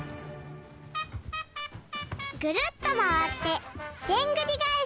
くるっとまわってでんぐりがえし。